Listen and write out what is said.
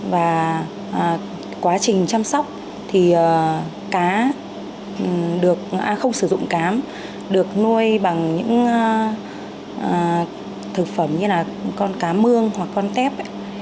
và quá trình chăm sóc thì cá được a không sử dụng cám được nuôi bằng những thực phẩm như là con cá mương hoặc con tép ấy